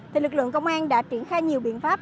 thì lực lượng công an đã triển khai nhiều biện pháp